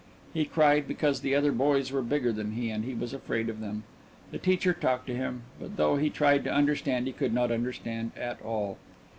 He cried because the other boys were bigger than he, and he was afraid of them. The teacher talked to him, but though he tried to understand he could not understand at all.